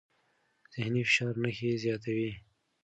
ذهني فشار نښې زیاتوي.